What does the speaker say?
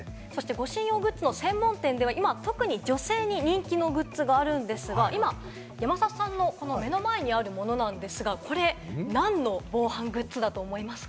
護身用グッズの専門店では今、特に女性に人気のグッズがあるんですが、今、山里さんの目の前にあるものなんですが、これ何の防犯グッズだと思いますか？